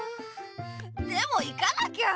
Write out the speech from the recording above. でも行かなきゃ！